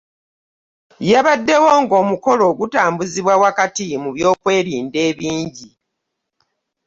Yabaddewo ng'omukolo gutambuzibwa wakati mu byokwerinda ebingi.